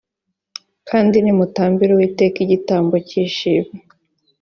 kandi nimutambira uwiteka igitambo cy’ishimwe